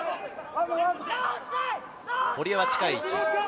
堀江は近い位置。